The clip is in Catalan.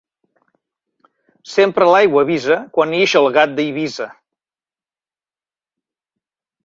Sempre l'aigua avisa, quan ix el gat d'Eivissa.